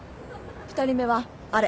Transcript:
２人目はあれ。